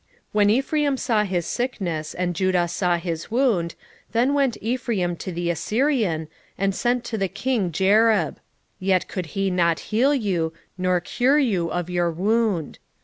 5:13 When Ephraim saw his sickness, and Judah saw his wound, then went Ephraim to the Assyrian, and sent to king Jareb: yet could he not heal you, nor cure you of your wound.